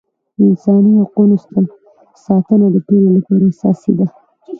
د انساني حقونو ساتنه د ټولو لپاره اساسي ده.